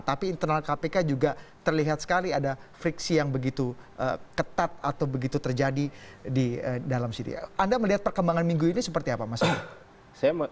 tapi internal kpk juga terlihat sekali ada friksi yang begitu ketat atau begitu terjadi di dalam sini anda melihat perkembangan minggu ini seperti apa mas